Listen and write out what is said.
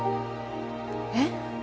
えっ？